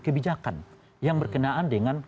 kebijakan yang berkenaan dengan